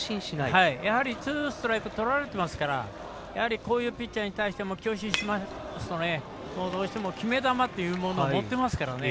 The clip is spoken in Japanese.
ツーストライクとられていますからこういうピッチャーに対して強振しますと、どうしても決め球というものを持っていますからね。